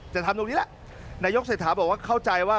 ทำตรงนี้แหละนายกเศรษฐาบอกว่าเข้าใจว่า